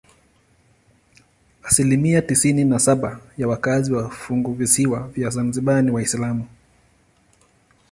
Asilimia tisini na saba ya wakazi wa funguvisiwa vya Zanzibar ni Waislamu.